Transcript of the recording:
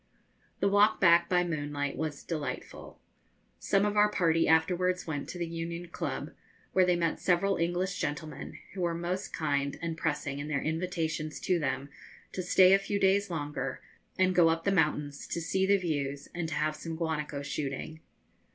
The walk back by moonlight was delightful. Some of our party afterwards went to the Union Club, where they met several English gentlemen, who were most kind and pressing in their invitations to them to stay a few days longer, and go up the mountains to see the views and to have some guanaco shooting.